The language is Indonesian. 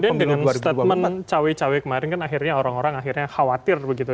tapi dengan statement cawe cawe kemarin kan akhirnya orang orang akhirnya khawatir begitu